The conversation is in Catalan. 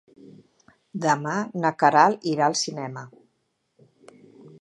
Demà na Queralt irà al cinema.